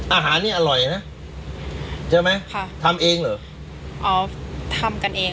อาหารนี่อร่อยนะใช่ไหมค่ะทำเองเหรออ๋อทำกันเอง